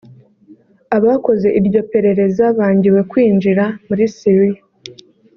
Abakoze iryo perereza bangiwe kwinjira muri Syria